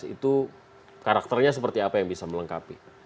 dua ribu sembilan belas itu karakternya seperti apa yang bisa melengkapi